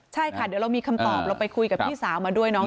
ใช่ค่ะเดี๋ยวเรามีคำตอบเราไปคุยกับพี่สาวมาด้วยน้อง